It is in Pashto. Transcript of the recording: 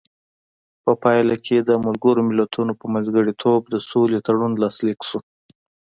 په پایله کې د ملګرو ملتونو په منځګړیتوب د سولې تړون لاسلیک شو.